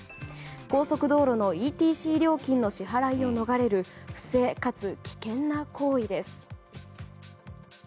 高速道路のＥＴＣ料金の支払いを逃れる不正かつ危険な行為です。